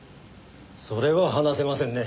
それは話せませんね。